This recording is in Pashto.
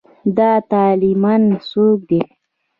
دا طالېمن څوک دی.